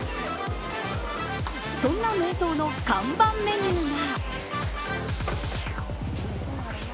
そんな名東の看板メニューが。